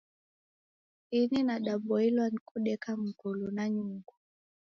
Ini nidaboilwa ni kudeka mngulu na nyungu.